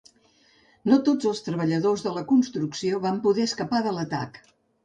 No tots els treballadors de la construcció van poder escapar de l'atac.